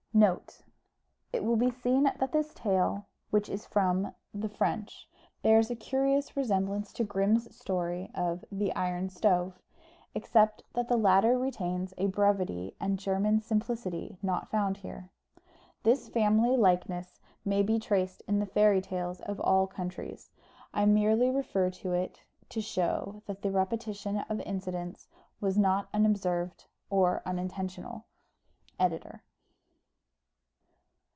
Note. It will be seen that this tale, which is from the French, bears a curious resemblance to Grimm's story of "The Iron Stove," except that the latter retains a brevity and German simplicity, not found here. This family likeness may be traced in the fairy tales of all countries. I merely refer to it to show that the repetition of incidents was not unobserved or unintentional. EDITOR.